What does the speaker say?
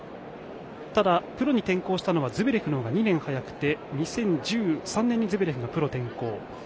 ただ、プロに転向したのはズベレフの方が２年早くて２０１３年にズベレフがプロ転向。